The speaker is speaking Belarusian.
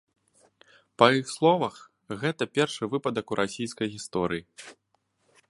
Па іх словах, гэта першы выпадак у расійскай гісторыі.